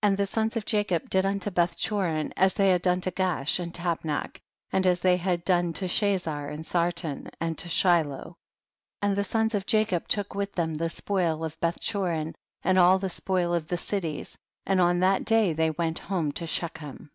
15. And the sons of Jacob did un to Bethchorin as they had done to Gaash and Tapnach, and as they had done to Chazar, to Sarton and to Shiloh. 16. And the sons of Jacob took with them the spoil of Bethchorin and all the spoil of the cities, and on that day they went home to She chem.